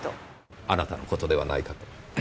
あなたの事ではないかと。